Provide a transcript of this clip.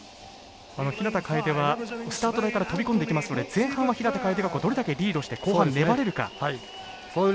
この日向楓はスタート台から飛びこんでいきますので前半は日向楓がどれだけリードして後半粘れるか。